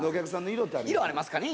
色ありますかね。